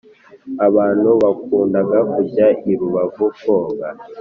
abantu bakundaga kujya i rubavu koga